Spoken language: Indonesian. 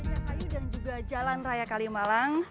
selain dari kayu dan juga jalan raya kalimalang